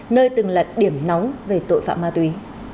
nơi từng là điểm nóng về tội phạm ma túy